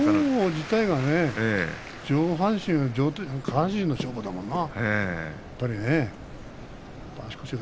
相撲自体が上半身より下半身の勝負だもんな。